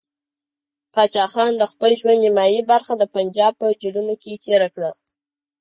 پاچا خان د خپل ژوند نیمایي برخه د پنجاب په جیلونو کې تېره کړه.